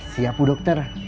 siap bu dokter